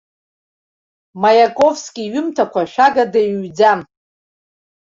Маиаковски иҩымҭақәа шәагада иҩӡам.